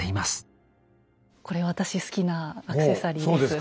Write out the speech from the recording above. これ私好きなアクセサリーです。